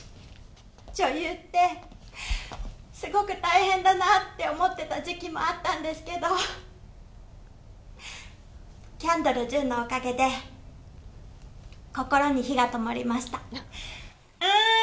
私、実は女優ってすごく大変だなって思ってた時期もあったんですけど、キャンドルＪＵＮＥのおかげで心に火が灯りました。